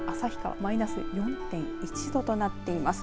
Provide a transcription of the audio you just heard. マイナス４．１度となっています。